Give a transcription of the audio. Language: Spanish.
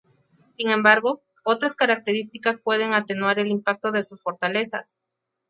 Sin embargo, otras características pueden atenuar el impacto de sus fortalezas.